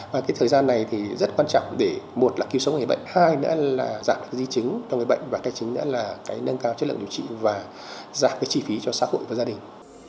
và cái thời gian này thì rất quan trọng để một là cứu sống người bệnh hai nữa là giảm di chứng cho người bệnh và cái chính nữa là cái nâng cao chất lượng điều trị và giảm cái chi phí cho xã hội và gia đình